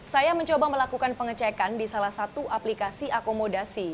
saya mencoba melakukan pengecekan di salah satu aplikasi akomodasi